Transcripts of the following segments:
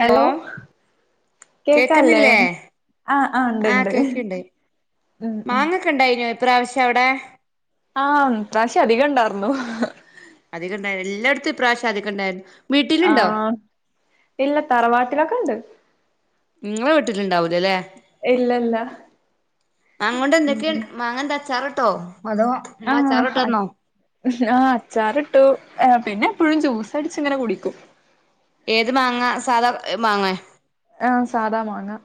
Hello? കേക്കാല്ലേ? കേക്കുന്നില്ലേ ആഹ് ആഹ് ഉണ്ട്ണ്ട് ഉം ഉം. ക്ക ഇണ്ടായിഞ്ഞോ ഇപ്രാവശ്യ അവിടെ? ആഹ് ഇപ്രാവശ്യ അധിക ഇണ്ടായിർന്നു. അധികണ്ടായി എല്ലായിടത്തും ഇപ്രാവശ്യ അധികണ്ടായിര്. ആഹ് ഇല്ല തറവാട്ടിലൊക്കെണ്ട്. നിങ്ങളെ വീട്ടിലിണ്ടാവൂല അല്ലെ? ഇല്ലല്ല. മാങ്ങോണ്ട് എന്തൊക്കെയ മാങ്ങന്താ അച്ചാറിട്ടോ അതോ? ഉമ്മ ആഹ് അ അച്ചാറിട്ടന്നോ ആഹ് അച്ചാറിട്ടു പിന്നെ എപ്പോഴും ജ്യൂസ് അടിച്ച് ഇങ്ങനെ കുടിക്കും. ഏത് മാങ്ങ സാധാ മാങ്ങയാ ആഹ് സാധാ മാങ്ങ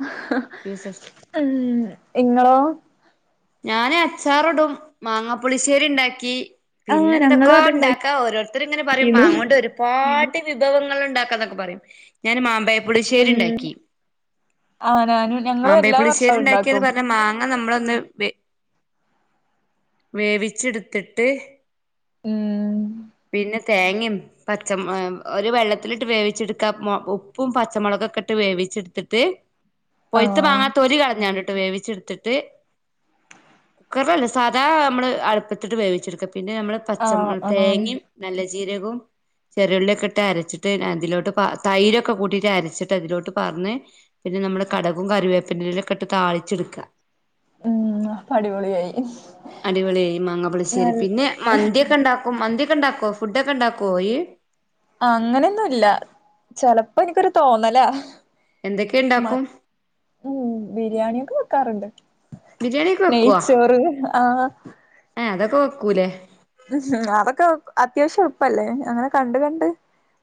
ഉം ഇങ്ങളോ? ഞാന് അച്ചാറ് ഇടും മാങ്ങാ പുളിശ്ശേരി ഇണ്ടാക്കി. ആഹ് പിന്നെ ഞങ്ങളും എന്തൊക്കോ അത്ണ്ടാക്കിന്നു ഇണ്ടാക്കാ ഓരോരുത്തര് ഇങ്ങനെ പറയും മാങ്ങോണ്ടൊരു പാട്ടി വിഭവങ്ങൾ ഇണ്ടാക്കാന്നൊക്കെ പറയും ഞാൻ മാ മ്പയപ്പുളിശ്ശേരി ഉം ഇണ്ടാക്കി ആഹ് ഞാനും ഞങ്ങളും എല്ലാ മാമ്പയപ്പുളിശ്ശേരി വർഷവും ഉണ്ടാക്കിയെന്ന് ഉണ്ടാക്കും പറഞ്ഞാ മാങ്ങ അ നമ്മളൊന്ന് വെ വേവിച്ചെടുത്തിട്ട്, ഉം. പിന്നെ തേങ്ങയും, പച്ച ഒരു വെള്ളത്തിലിട്ട് വേവിച്ചെടുക്ക ഉപ്പും പച്ചമുളകൊക്കെ ഇട്ട് വേവിച്ചെടുത്തിട്ട്, പൊയ്ത്ത ആഹ് മാങ്ങാ തൊലി കളഞ്ഞാണ്ടിട്ട് വേവിച്ചെടുത്തിട്ട്, കുക്കറിലല്ല സാധാ നമ്മള് അടുപ്പത്തിട്ട് വേവിച്ചെടുക്ക പിന്നെ നമ്മള് പച്ച ആഹ് ആഹ് തേങ്ങയും നല്ല ജീരകവും, ചെറിയുള്ളിയൊക്കെ ഇട്ട് അരച്ചിട്ട് അതിലോട്ട് പാ തൈരൊക്കെ കൂട്ടിയിട്ട് അരച്ചിട്ട് അതിലോട്ട് പകർന് പിന്നെ നമ്മള് കടകും കറിവേപ്പിനും ഒക്കെ ഇട്ട് താളിച്ചെടുക്ക. ഉം അപ്പൊ അടിപൊളിയായി അടിപൊളിയായി മാങ്ങപ്പുളിശ്ശേരി നല്ല പിന്നെ മന്തിയൊക്കെ ഇണ്ടാക്ക. ഉം മന്തിയൊക്കെ ഇണ്ടാക്കോ ഫുഡ് ഒക്കെ ഉണ്ടാക്കോ ഇയ്യ്? അങ്ങനെയൊന്നുല്ല ചെലപ്പോ എനിക്കൊരു തോന്നലാ. എന്തെക്കെ മ ഇണ്ടാക്കും? ഉം ബിരിയാണിയൊക്കെ വെക്കാറുണ്ട് ബിരിയാണിയൊക്കെ നെയ്ച്ചോറ് ആഹ്. ഏഹ് അതൊക്കെ വെക്കൂലേ? ഉം അതൊക്കെ അത്യാവശ്യം എളുപ്പല്ലേ അങ്ങനെ കണ്ട് കണ്ട്.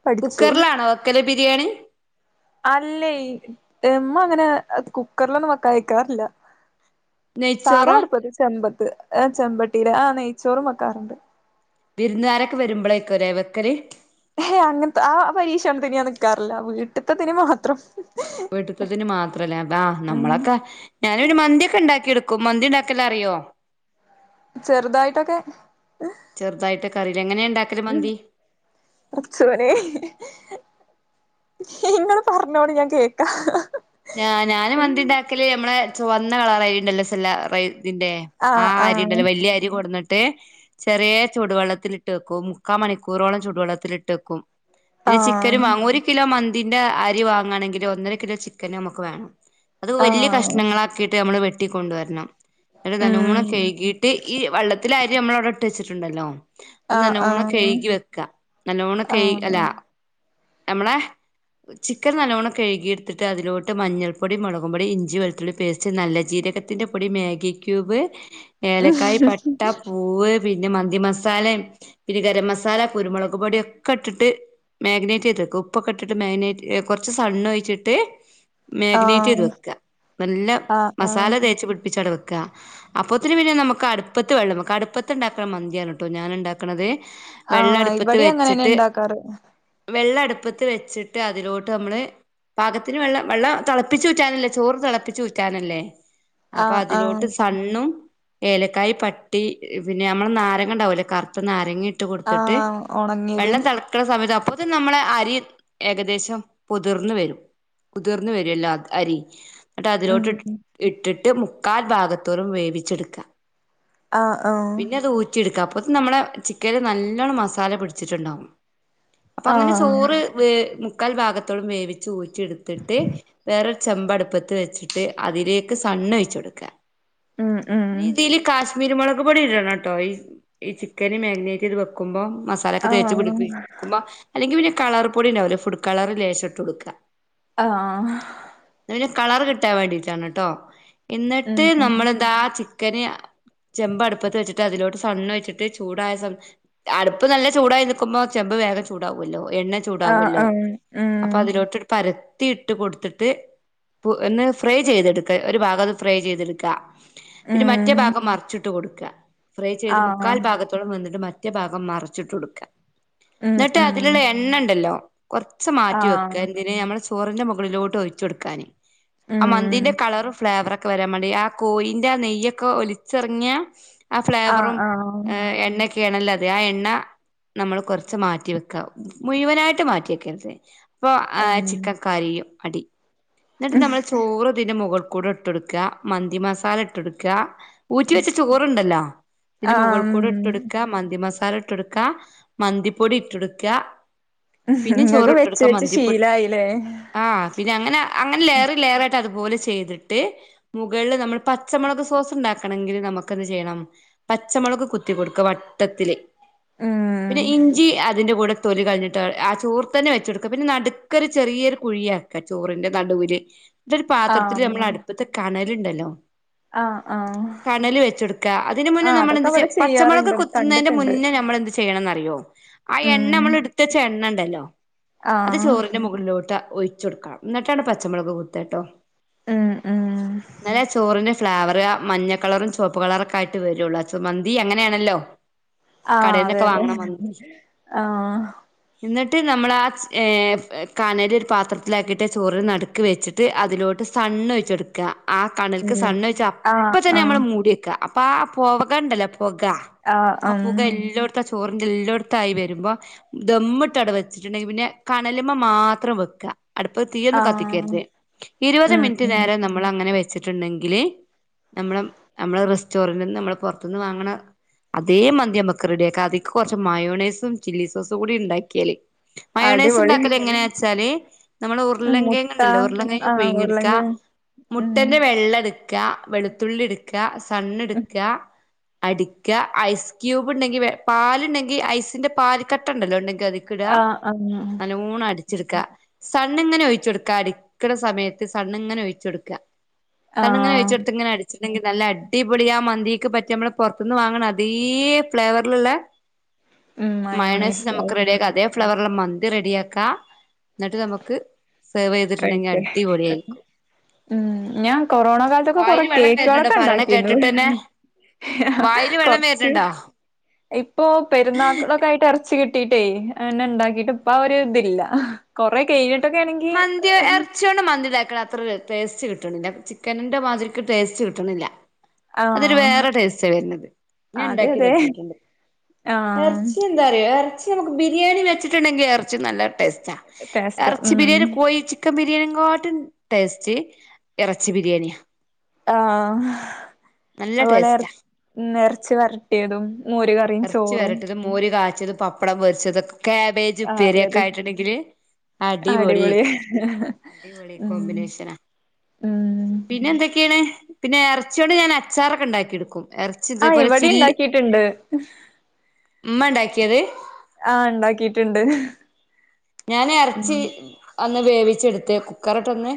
പഠിച്ചു കുക്കർലാണോ വക്കല് ബിരിയാണി? അല്ലേ. എമ്മ അങ്ങനെ കുക്കറിലൊന്നും വക്ക അഴക്കാറില്ല. സാധാ നെയ്ച്ചോറോ അടുപ്പത്ത് ചെമ്പത്ത് ചെമ്പട്ടീല് ആഹ് നെയ്ച്ചോറും വെക്കാറുണ്ട്. വിരുന്ന്കാരൊക്കെ വരുമ്പളെക്കാല്ലേ വെക്കല്? ഹേ അങ്ങനത്തെ ആ പരീക്ഷണത്തിന് ഞാൻ നിക്കാറില്ല വീട്ടത്തെതിന് മാത്രം. വെട്ടിത്തതിന് മാത്രല്ലേ അതാ ഉം നമ്മളൊക്കെ ഞാന് പിന്നെ മന്തി ഒക്കെ ഇണ്ടാക്കിയെടുക്കും മന്തി ഇണ്ടാക്കല് അറിയോ? ചെറുതായിട്ടൊക്കെ. ചെറുതായിട്ടൊക്കറീലെ എങ്ങനെയ ഇണ്ടാക്കല് മന്തി? പടച്ചോനെ. ഇങ്ങള് പറഞ്ഞോളി ഞാൻ കേക്കാ. ഞാന ഞാന് മന്തി ഇണ്ടാക്കല് മ്മളെ ചുവന്ന കളറായിണ്ടല്ലോ സെല്ല ഇതിന്റെ. ആഹ് അരി ഇണ്ടല്ലോ വല്യ അരി കൊട്ന്നിട്ട്. ചെറിയ ചൂടുവെള്ളത്തിലിട്ട് ഇട്ട് വെക്കും മുക്കാൽ മണിക്കൂറോളം ചൂടുവെള്ളത്തിലിട്ട് വെക്കും. പിന്നെ ചിക്കനും ആഹ് വാങ്ങു ഒരു കിലോ മന്തിന്റെ അരി വാങ്ങാണെങ്കിൽ ഒന്നര കിലോ ചിക്കന് നമുക്ക് വേണം. അത് വലിയ ആഹ് കഷ്ണങ്ങളാക്കിയിട്ട് നമ്മൾ വെട്ടിക്കൊണ്ടുവരണം ഒരു ഉം നല്ലമൂണൊക്കെ കഴുകിട്ട് ഈ വെള്ളത്തില് അരി നമ്മള അവിടെ ഇട്ട് വെച്ചിട്ടുണ്ടല്ലോ അത് ആഹ് നല്ലോണം ആഹ് കഴുകി വെക്ക നല്ലോണ്ണം കഴി ആഹ് അല്ലാ നമ്മളെ ചിക്കൻ നല്ലവണ്ണം കഴുകി എടുത്തിട്ട് ഇട്ട് അതിലോട്ട് മഞ്ഞൾപ്പൊടി മുളകും പൊടി ഇഞ്ചി വെളുത്തുള്ളി പേസ്റ്റ് നല്ല ജീരകത്തിൻ്റെ പൊടി മാഗി ക്യൂബ് ഏലക്കായ പട്ട പൂവ് പിന്നെ മന്തി മസാല പിന്നെ ഗരം മസാല കുരുമുളക് പൊടി ഒക്കെ ഇട്ടിട്ട് മാരിനേറ്റ് ചെയ്തെടുക്കും ഉപ്പൊക്കെ ഇട്ടിട്ട് മാഗിനേറ്റ് കുറച്ച് സണ് ഒഴിച്ചിട്ട് മാഗ്നേറ്റ് ചെയ്ത് ആഹ് വെക്ക നല്ല ആഹ് ആഹ് മസാല തേച്ച് പിടിപ്പിച്ച് അട വെക്ക അപ്പൊത്തിന് പിന്നെ നമുക്ക് അടുപ്പത്ത് വെള്ളം നമുക്ക് അടുപ്പത്ത് ഉണ്ടാക്കണ മന്തിയാണ് കേട്ടോ ഞാൻ ഉണ്ടാക്കുന്ന ന്നത്. ആഹ് വെള്ളടുപ്പത്ത് ഇവിടിം അങ്ങനെന്നെ വെച്ചിട്ട് ഇണ്ടാക്കാറ് വെള്ള അടുപ്പത്ത് വെച്ചിട്ട് അതിലോട്ട് നമ്മൾ പാക- അത്തിന് വെം വെള്ളം തിളപ്പിച്ചുഉറ്റാനല്ലേ ചോറ് തിളപ്പിച്ച് ഉറ്റനല്ലേ അപ്പോ ആഹ് ആഹ് അതിലോട്ട് സണ്ണും ഏലക്കായ പട്ട. പിന്നെ നമ്മൾ നാരങ്ങ ഉണ്ടാവല്ലേ കറുത്ത് നാരങ്ങ ടുട്ട് കൊടുത്തിട്ട് ആഹ് ഒണങ്ങിയത് വെള്ളം തേളപ്പിച്ചു ക്കണ സമയത്ത് അപ്പത്തെ നമ്മളെ അരി ഏകദേശം കുതിർന്നു വരും. കുതിർന്ന വരുല്ലോ അരി എന്നട്ട് ഉം അതിലോട്ട് ഇട്ടിട്ട് മുക്കാൽ ഭാഗത്തോറും വേവിച്ചെടുക്കാം ആഹ് ആഹ് പിന്നെ അത് എടുക്കാപ്പ നമ്മളെ ചിക്കന്ൽ നല്ലോണ്ണം മസാല പിടിച്ചിട്ടുണ്ടാാവും. അപ്പോ അങ്ങനെ ആഹ് ചോറ് വ മുക്കാൽ ഭാഗത്തോളം വേവിച്ച് ഊറ്റി എടുത്തിട്ട് വേറെൊരു ചെബ് അടുപ്പത്ത് വെച്ചിട്ട് അതിലേക്ക് സണ്ണ് ഒഴിച്ചു കൊടുക്കുക. ഉം ഉം. നി ഇതിൽ കാശ്മീരി മുളക് പൊടി ഇടണം കേട്ടോ, ഈ ചിക്കന് മാഗ്നേറ്റ് ചെയ്ത് വെക്കുമ്പോ മസ മസാലയൊക്കെ ആഹ് തേച്ച്പിടിപ്പിക്കുമ്പോഅല്ലെങ്കിൽ പിന്നെ കളർ പൊടി ഉണ്ടാവല്ലോ ഫുഡ് കളർ ലേശം ഇട്ട് കൊടുക്കുക. ആ. അന് കളർ കിട്ടാൻ വേണ്ടിട്ടാണ് കേട്ടോ, ഉം എന്നിട്ട് ഉം നമ്മൾതാ ചിക്ക ചിക്കൻ ചെബ് അടുപ്പത്ത് വെച്ചിട്ട് അതിലോട്ട് സണ്ണ് വെച്ചിട്ട് ചൂടായസമയത്ത്‌ അടുപ്പ് നല്ല ചൂടായി നിൽക്കുമ്പോ ചേമ്പ് വേഗ ചൂടാവുമല്ലോ എണ്ണ ആഹ് ചൂടാവല്ലോ ആഹ് ഉം അപ്പോ അതിലോട്ട് പരത്തി ഇട്ട് കൊടുത്തിട്ട് ഒന്ന് ഫ്രൈ ചെയ്തെടുക്ക ഒരു ഭാഗം ഫ്രൈ ചെയ്തെടുക്കാ പിന്നെ മറ്റേ ഉം ഭാഗം മറിച്ചിട്ട് കൊടുക്കുക. ഫ്രൈ ചെയ്ത് ആഹ് മുക്കാൽ ഭാഗത്ത് ത്തോളം വന്നിട്ട് മറ്റേ ഭാഗം മറിച്ചിട്ട് കൊടുക്ക ഉം എന്നിട്ട് ഉം അതിലുള്ള എണ്ണ ഉണ്ടല്ലോ കുറച്ച് മാറ്റി വെക്ക ആഹ് എന്തിന് നമ്മൾ ചോറിന്റെ മുകളിലോട്ട് ഒഴിച്ച് കൊടുക്കാൻ ആ മന്തിന്റെ ഉം കളറ ഫ്ലേവറക്കെ വരാൻ വേണ്ടി ആ കോയിന്റെ ആ നെയ്യൊക്കെ ഒലിച്ചെറങ്ങിയ ആ ആഹ് ഫ്ലേവറും ആഹ് എണ്ണ ഒക്കെയാണല്ലോ അതെ ആ എണ്ണ നമ്മൾ കൊറച്ച് മാറ്റി വെക്കുക. മുഴുവനായിട്ട് മാറ്റി വെക്കേരത്‌ അപ്പോ ആ ഉം ചിക്കൻ കരിയും അടി, എന്നിട്ട് നമ്മൾ ചോറതി മുകൾ കൂട ഇട്ടെടുക്ക മന്തി മസാല ഇട്ടെടുക്ക ഊറ്റി വെച്ച ചോറുണ്ടല്ലോ! പിന്നെ ആഹ് മുകൾക്കൂട് ഇട്ട് ഉം എടുക്കുക മന്തി മസാല ഇട്ട് എടുക്ക. മന്തിപ്പോടി ഇട്ടെടുക്ക. ഉ നിങ്ങൾക്ക് വെച്ച് വെച്ച് ശീലയില്ലേ. ആ, പിന്നെ അങ്ങനെ അങ്ങനെ ലേർ ലെയറ ആയിട്ട് അതുപോലെ ചെയ്തിട്ട്, മുകളിൽ നമ്മൾ പച്ചമുളക് സോസ് ഉണ്ടാക്കണമെങ്കിൽ നമ്മുക്ക് എന്ത് ചെയ്യണം. പച്ചമുളക് കുത്തി കൊടുക്കുക വട്ടത്തിൽ ഉം പിന്നെ ഇഞ്ചി അതിന്റെ കൂടെ തൊലി കഴിഞ്ഞിട്ട് ആ ചോർ തന്നെ വെച്ച കൊടുക്ക പിന്നെ നടു നടുക്കൊരു ഒരു ചെറിയൊരു കുഴിയാക്കാം ചോറിന്റെ നടുവില് ഒരു പാത്രത്തിൽ നമ്മൾ ആഹ് അടുപ്പത്തെ കണലുണ്ടല്ലോ ആഹ് ആഹ് കണൽ വെച്ചുടുക്ക അതിന് മുന്നേ ആഹ് അതൊക്കെ നമ്മൾന്ത്ച്ച ഇവിടെ പച്ചമുളക് ചെയ്യാറുണ്ട് കുത്തുന്നതിന്റെ കണ്ടിട്ടുണ്ട് മുന്നേ നമ്മൾ ചെയ്യണന്ന് അറിയോ, ആ എണ്ണ നമ്മൾ എടുത്ത് വെച്ച എണ്ണ ഉണ്ടല്ലോ ആ. അതിന് മുകളിലോട്ട് ഒഴിച്ച് കൊടുക്കാം. എന്നിട്ടാണ് പച്ചമുളക് കുത്തട്ടോ. ഉം ഉം ഇന്നലെ ചോറിന് ഫ്ലേവർ മഞ്ഞ കളറും ചോവപ്പ് കളറൊക്കെ ആയിട്ട് വരുള്ളു. മന്തി അങ്ങനെയണല്ലോ? ആ, അതെ, അതെ ആ. എന്നിട്ട് നമ്മൾ ആ കണൽ ഒരു പാത്രത്തിലാക്കിയിട്ട് ചോറ് നടുക്ക്‌ വെച്ചിട്ട് അതിലോട്ട് സണ്ണ് ഒഴിച്ചു കൊടുക്കുക. ആ, കണൽ ക് ഉം സൺ ഒഴിച്ച് അപ്പ ആഹ് തന്നെ നമ്മൾ ആഹ് മൂടി വെക്കുക. അപ്പൊ ആ പുകണ്ടല്ലോ പുക ആഹ് ആ ഉം പുക എല്ലാേട് ത്തെ ചോറിന്റെ എല്ലാേട്ത്തായി വെര്മ്പോ ദമ്മ്ട്ടവ്ടെ വെച്ച്ട്ട്ണ്ടെ പിന്നെ കനല് മ്മെ മാത്രം വെക്ക അട്പ്പത് തീയൊന്നും ആഹ് കത്തിക്കേര്ത് ഇര്പെത് ഉം മിൻറ്റ് ഉം നേരം ന മ്മളങ്ങെനെ വെച്ചിട്ട്ണ്ടെങ്കില് നമ്മള് ഞമ്മള് റെസ്റ്റോറന്റ്ന്ന് ഞമ്മള് പൊർത്ത്ന്ന് വാങ്ങ്ണെ അതേ മന്തി ഞമ്മക്ക് റെഡ്യാക്കാ അതീക്ക് കാെർച്ച് മായോണേസും ചില്ലി സോസും കൂടി ഇണ്ടാക്ക്യാല് അടിപൊളി മയോണേസ്ണ്ടാക്കല് എങ്ങെനേച്ചാല് നമ്മളെ ഉം, ഉർളൻ മുട്ട കേങ്ങ്ണ്ടല്ലോ ഉർളൻ കേങ്ങ് ആഹ് ഉരുളൻ പുയ്ങ്ങിട്ക്കാ കിഴങ്ങ് ഉം മുട്ടന്റെ വെള്ളട് ക്കാ വെള്ത്തുള്ളിട്ക്കാ സണ്ണ്ട്ക്കാ അടിക്കാ ഐസ് ക്യൂബ് ണ്ടെങ്കി വെ പാല്ണ്ടെങ്കി ഐസ്ന്റെ പാല് കട്ടണ്ടല്ലോ ഇണ്ടെങ്കി അത് ആഹ് അങ്ങനെ ല്ലോണട്ച്ച്ട്ക്കാ സണ്ണ്ങ്ങെനെ ഒഴിച്ചാെട്ക്കാ അടിക്ക്ണ സമയത്ത് സണ്ണ്ങ്ങെനെ ഒഴിച്ചാെട്ക്കാ സണ്ണ്ങ്ങെനെ ആഹ് ഒഴിച്ചാെട്ത്ത് ഇങ്ങെനെ അടി ച്ചിണ്ടെങ്കി നല്ല അടിപൊളി ആ മന്തീക്ക് പറ്റ്യ മ്മള് പാെർത്ത്ന്ന് വാങ്ങ്ണ അതേ ഫ്ലേവെറ്ല്ള്ളെ ഉം മയണയ്സ് മയോണൈസ് നമക്ക് റെഡ്യാക്കാ അതേ ഫ്ലേവെറ്ള്ളെ മന്തി റെഡിയാക്കാ ന്നട്ട് നമുക്ക് സെർവെയ്തിട്ട്ണ്ടെങ്കി കഴിക്ക അടിപൊള്യായിരിക്കും ഉം ഞാൻ കൊറോണ കാലത്തൊക്കെ കൊറെ വായില് വെള്ളം വെര്ണ്‌ണ്ടോ കേക്കുകളൊക്കെ പറീണെ ഉണ്ടാക്കിരുന്നു കേട്ട്ട്ടെന്നെ വായില് വെള്ളം വെര്ണ്‌ണ്ടോ? ഇപ്പോ പെര്ന്നാക്ക്ളൊക്കായ്ട്ട് എർച്ചി കിട്ടീട്ടേ അത് പിന്നെ ണ്ടാക്കീട്ട് ഇപ്പ ആ ഒരേ തില്ല കൊറേ കെയ്ഞ്ഞിട്ടൊക്കേണെങ്കി മന്ത്യോ എർ ച്ച്യോണ്ട് മന്തി ണ്ടാക്ക്ണെ അത്രെ ര ടേസ്റ്റ് കിട്ട്ണ്ല്ല ചിക്കെന്റെ മാതിരിക്ക് ടേസ്റ്റ് കിട്ട്ണ്ല്ല അതൊരു ആഹ് വേറെ ടേസ്റ്റാ വര്ണത് ഞാൻ അതെ ഇണ്ടാക്കി അതെ നോക്കീട്ട്ണ്ട് ആഹ് എർച്ചി ന്താറ്യാേ എർച്ചി അമ്മക്ക് ബിരിയാണി വെച്ചിട്ട്ണ്ടെങ്കി എർച്ചി നല്ല ടേസ്റ്റാ ടേസ്റ്റ എർച്ചി ഉം ബിര്യാണി കോ ഴി ചിക്കൻ ബിര്യേൻ കാട്ടിം ടേസ്റ്റ് എറെച്ചി ബിര്യേണ്യാ ആണോ നല്ല അത്പോലെ എർ ടേസ്റ്റാ ഉം എർച്ചി വരെട്ടിയെതും മോര്കറിം ഇറച്ചി ചോറും വരട്ടത് മോര് കാച്ച്യത് പപ്പടം പൊരിച്ചതൊക്കെ കാബേജ് ആഹ് അതെ ഉപ്പേര്യൊക്കെ അതെ ആയിട്ട്ണ്ടെങ്കില് അടിപൊളി അടിപൊള്യേയ്ക്കാരം അടിപൊളി ഉം കോമ്പിനേഷെനാ ഉം പിന്നെ എന്തൊക്കേണ് പിന്നെ എറച്ച്യോണ്ട് ഞാൻ അച്ചാറൊക്കെ ണ്ടാക്കി എട്ക്കും എർച്ചി ആഹ് ഇതേപോലെ ഇവിടെ ചില്ലി ഇണ്ടാക്കിയിട്ടുണ്ട് ഇമ്മണ്ടാക്ക്യെത് ആഹ് ഇണ്ടാക്കീട്ട്ണ്ട് ഞാന് എർച്ചി ഒന്ന് വേവിച്ചെട്ത്ത് കുക്കറ്ട്ടാെന്ന്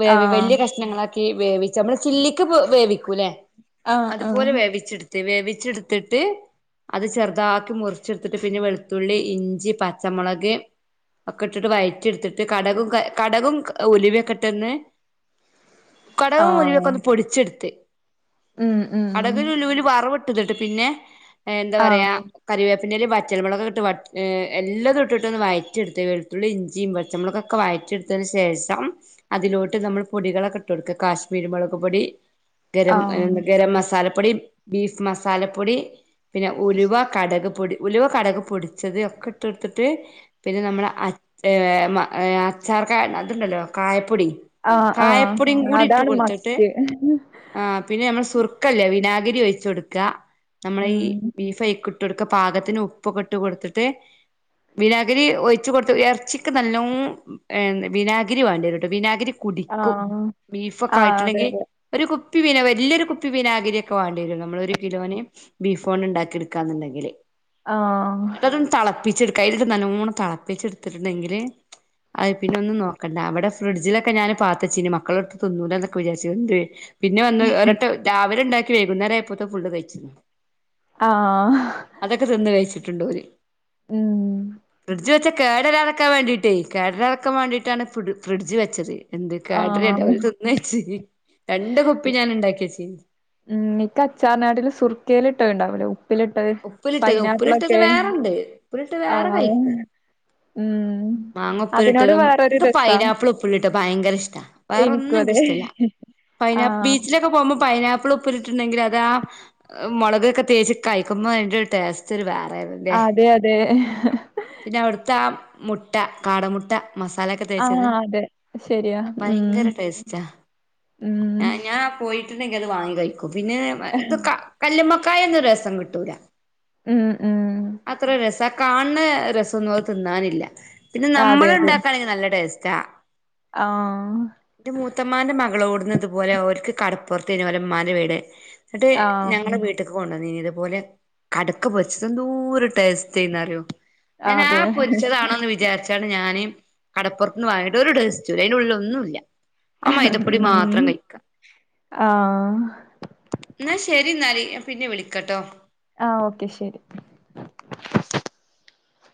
വേവി ആഹ് വല്യ കഷ്ണങ്ങളാ ക്കി വേവിച്ച് അമ്മള് ചില്ലിക്ക് വ് വേവിക്കൂലേ ആഹ് ആഹ് അതുപോലെ വേവിച്ചെട് ത്ത് വേവിച്ചെട്ത്ത്ട്ട് അത് ചെർതാക്കി മുർച്ച്ട്ത്ത്ട്ട് പിന്നെ വെൾത്തുള്ളി, ഇഞ്ചി, പച്ചമുളക് ഒക്കെ ഇട്ട്ട്ട് വയെറ്റ്യെട്ത്ത്ട്ട് കടകും ക കടകും ഉലുവ്യാെക്കെട്ടെന്ന് കടകും ആഹ് ഉലുവ്യൊക്കൊന്ന് പൊടിച്ചെട്ത്ത് ഉം ഉം കടക് ലുലു വറവ്ട്ട്ട്ട്ട്ട് പിന്നെ എന്താ പറ്യാ ആഹ് കരിവേപ്പിന്റെലിം വറ്റൽ മാെളാെകാെക്കെട്ട് വ ഏഹ് എല്ലെതും ഇട്ട്ട്ടാെന്ന് വയ റ്റിട്ത്ത് വെൾത്തുള്ളിം ഇഞ്ചിം പച്ചമുളകാെക്കെ വയറ്റി ഇട്ത്തേന് ശേഷം അതിലോട്ട് നമ്മൾ പൊടികളൊക്കെട്ടാെട്ക്ക കാശ് കുരുമാെളക് പൊടി ഖരം ആഹ് ഖരം മസാലപ്പൊടി ബീഫ് മസാലപ്പൊടി പിന്നെ ഉലുവ കടക് പൊടി ഉലുവ കടക് പൊടിച്ചത് ഒക്കെ ഇട്ടാെട്ത്ത്ട്ട് പിന്നെ നമ്മള് അച്ചേ മ ഏഹ് അച്ചാർക്കെ അത്ണ്ടല്ലോ കായപ്പൊടി ആഹ് കായപ്പൊടിയും ആഹ് കൂടി ഇട്ട് അതാണ് കൊടുത്തിട്ട് മസ്റ്റ് ആഹ് പിന്നെ ഞമ്മള് സുർക്കല്ലെ വിനാഗിരി ഒയ്ച്ചൊട്ക്ക നമ്മെളെ ഈ ഉം ബീഫയ്ക്ക് ട്ടൊട്ക്ക പാകത്തിന് ഉപ്പൊക്കെട്ട് കൊട്ത്ത്ട്ട് വിനാ ഗിരി ഒയ്ച്ച് കൊട്ത്തു എർച്ചിക്ക് നല്ലോം ഏഹ് വിനാഗിരി വാണ്ട്യെരുട്ടാേ വിനാഗിരി കുടിക്കും ആഹ് ആഹ് അതെ ബീഫൊക്കായിട്ട്ണ്ടെങ്കി അതെ ഒരു കുപ്പി വിന വെല്യൊരു കുപ്പി വിനാഗിരിയൊക്കെ വാണ്ടിയെരും നമ്മളൊരു കിലോന് ബീഫോണ്ട്ണ്ടാക്കിട്ക്കാന്ന്ണ്ടെങ്കില്. ആഹ്. അത് ന്ന്ട്ട് തളപ്പിച്ചെട്ക്ക അയില്ട്ട് നല്ലോണം തളപ്പിച്ചെട്ത്ത്ട്ട്ണ്ടെങ്കില് അഹ് പിന്നൊന്നും നോക്കണ്ട അവ്ടെ ഫ്രിഡ്ജിലൊക്കെ ഞാന് പാത്തച്ചീനി മക്കള്ട്ത്ത് തിന്നൂലാന്നൊക്കെ വിചാരിച്ച് ഇന്റെ പിന്നെ വന്ന് ഒരട്ട രാവിലെണ്ടാണ്ടാക്കി വൈകുന്നേരായപ്പോത്തെ അഹ് ഫുള്ള് കഴിച്ച്‌ണ്. ആഹാ അതെക്കെ ത് ന്ന് കഴ്ച്ച്ട്ട്ണ്ടോല്. മ് ഫ്രിഡ്ജ് വെച്ച് കേടരാതക്കാ വേണ്ടിയ്ട്ടെ കേടരാതക്കാൻ വേണ്ടിയിട്ടാണ് ഫ്രിഡ് ഫ്രിഡ്ജ് വെച്ചത്. എന്ത് കേട്രെല്ല ആഹ് ഓല് തിന്ന് കഴിച്ച് രണ്ട് കുപ്പി ഞാന്ണ്ടാക്കി വെച്ചീനി മ് ഇൻക്ക് അച്ചാറ്നാട്ടീലും സുർക്കേല്ട്ടെണ്ടാവൂലേ ഉ പ്പില്ട്ടെ ഉപ്പിലിട്ടത് ഉപ്പിലിട്ടത് പൈനാപ്പിളൊക്കെ വേറെണ്ട് ഉപ്പിലിട്ട് വേറെ ആഹ് കഴിക്കും ഉംഹ് മാങ്ങ ഉപ്പിലിട്ടതും, ഇൻക്ക് പൈനാപ്പ്ള് ഉപ്പില്ട്ടെ ഭയങ്കരെഷ്ടാ വേറൊന്നും എനിക്കും അതെ ഇൻക്ക്ഷ്ടല്ല. പൈനാ ആഹ് ബീച്ചിലെക്കെ പോവുമ്പോ പൈനാപ്പിള് ഉ പ്പില്ട്ട്ണ്ടെങ്കിലതാ മൊളകക്കെ തേച്ച് കയിക്കുമ്പോ അയിന്റൊരു ടേസ്റ്റൊരു വേറേണ്. ആഹ് അതെയതെ. പിന്നവ്ട്ത്താ മുട്ട കാട മുട്ട. മസാലക്കെ ആഹ് തേച്ചത് അതെ ശരിയാ ഉം ഭയങ്കര ടേസ്റ്റാ ഉം ആഹ് ഞാനാ കോഴി മുട്ടണ്ടെങ്കി അത് വാങ്ങി കഴിക്കും പിന്നെ ഇത് ക കല്ലുമ്മക്കായൊന്നും രസം കിട്ടൂല. ഉം ഉം അത്ര രസ ആ കാൺണ രസൊന്നും അഹ് തിന്നാനില്ല. പിന്നെ അതെ അതെ നമ്മള്ണ്ടാക്കാണെങ്കി നല്ല ടേസ്റ്റാ. ആഹ്. ഇന്റെ മൂത്തമ്മാന്റെ മകളോട്ന്ന് ഇതു പോലെ ഓര്ക്ക് കടപ്പൊറ്ത്തേനി ഓലെമ്മാന്റെ വീട് ഇന്നെട്ട് ആഹ് ഞങ്ങളെ വീ ട്ട്ക്ക് കൊണ്ടോന്നീനി ഇതുപോലെ കട്ക്ക പൊര്ച്ചെത് എന്തോര് ടേസ്റ്റ്നിന്നറിയോ? ഞാന് ആ അതെ പൊരിച്ചതാണോന്ന് വിചാര് ച്ച്ട്ടാണ് ഞാന് കടപ്പൊറത്ത്ന്ന് വാങ്ങിയെത് ഒരു ടേസ്റ്റുല്ല്യ അയിന്റുള്ളില് ഒന്നുല്ല്യ. ആ മൈതപ്പൊടി മാത്രം ഉം കഴിക്ക ആഹ് ഇന്നാ ശെരിന്നാല് ഞാം പിന്നെ വിളിക്കട്ടോ ആ ഓക്കെ ശെരി